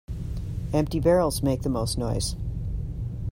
Empty barrels make the most noise.